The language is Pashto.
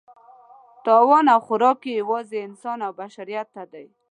تاوان او خوراک یې یوازې انسان او بشریت دی.